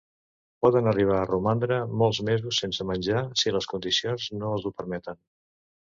Poden arribar a romandre molts mesos sense menjar si les condicions no els ho permeten.